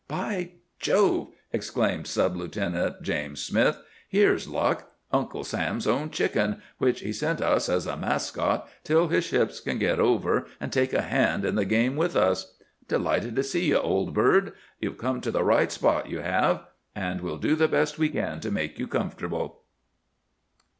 "By Jove," exclaimed Sub Lieutenant James Smith, "here's luck: Uncle Sam's own chicken, which he's sent us as a mascot till his ships can get over and take a hand in the game with us: Delighted to see you, old bird: You've come to the right spot, you have, and we'll do the best we can to make you comfortable."